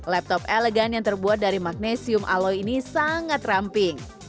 laptop elegan yang terbuat dari magnesium aloy ini sangat ramping